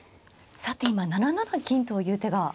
さて今７七金という手が。